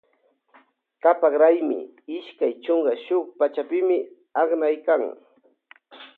Kapak raymi ishkay chunka shuk pachapimi aknaykan.